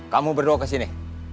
kamu berdua kesini